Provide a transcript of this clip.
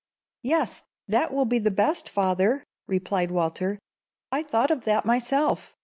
"Yes; that will be the best, father," replied Walter. "I thought of that myself."